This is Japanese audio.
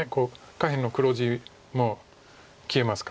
下辺の黒地も消えますから。